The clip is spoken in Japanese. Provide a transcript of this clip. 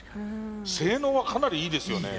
性能はかなりいいですよね。